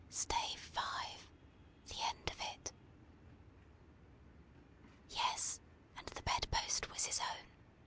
STAVE V: THE END OF IT YES! and the bedpost was his own.